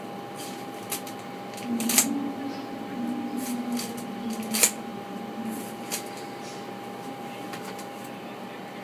Enkola ya poosita yatandikibwawo ddi mu Uganda?